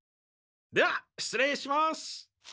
ではしつ礼します。